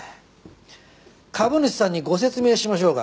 株主さんにご説明しましょうか。